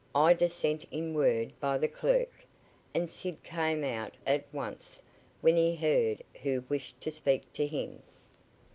Ida sent in word by the clerk, and Sid came out at once when he heard who wished to speak to him.